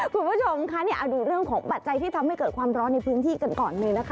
คุณผู้ชมค่ะเอาดูเรื่องของปัจจัยที่ทำให้เกิดความร้อนในพื้นที่กันก่อนเลยนะคะ